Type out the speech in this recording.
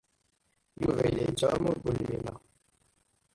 Yuba yella yettɛumu deg ugelmim-a.